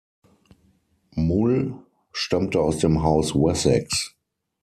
Mul stammte aus dem "Haus Wessex".